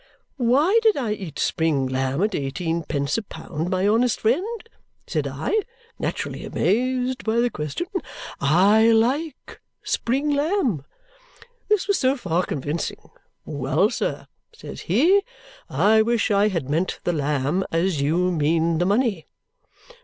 'Why did I eat spring lamb at eighteen pence a pound, my honest friend?' said I, naturally amazed by the question. 'I like spring lamb!' This was so far convincing. 'Well, sir,' says he, 'I wish I had meant the lamb as you mean the money!'